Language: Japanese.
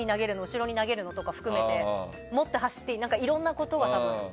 後ろに投げるの？とかも含めていろんなことが多分。